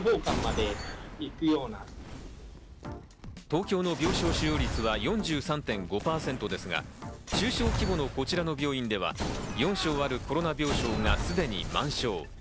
東京の病床使用率は４３．５％ですが、中小規模のこちらの病院では４床あるコロナ病床がすでに満床。